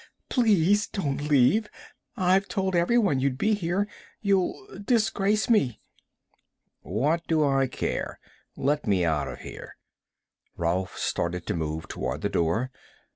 "Please don't leave. I've told everyone you'd be here you'll disgrace me." "What do I care? Let me out of here." Rolf started to move toward the door.